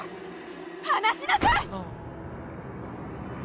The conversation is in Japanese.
離しなさい！